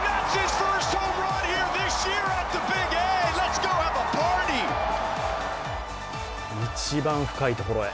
一番深いところへ。